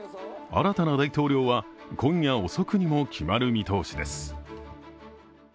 新たな大統領は今夜遅くにも決まる見通しです。